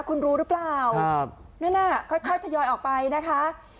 คุณรู้หรือเปล่านั่นน่ะค่อยทยอยออกไปนะคะ